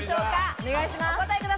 お願いします。